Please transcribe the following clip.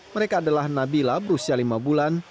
mereka adalah nabila berusia lima bulan